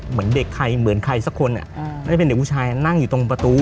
เหมือนเด็กใครเหมือนใครสักคนไม่ได้เป็นเด็กผู้ชายนั่งอยู่ตรงประตู